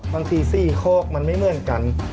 บางที๔คอกมันไม่เหมือนกัน